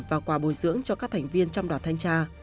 và quà bồi dưỡng cho các thành viên trong đoàn thanh tra